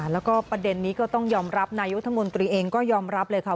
แล้วก็ประเด็นนี้ก็ต้องยอมรับนายุทธมนตรีเองก็ยอมรับเลยค่ะ